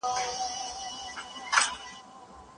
علماوو د کفارو دسیسې څنګه کشف او شنډې کړې دي؟